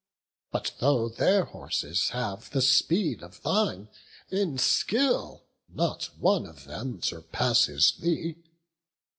But though their horses have the speed of thine, In skill not one of them surpasses thee.